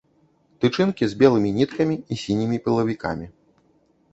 Тычынкі з белымі ніткамі і сінімі пылавікамі.